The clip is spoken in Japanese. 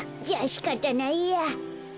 じゃあしかたないや。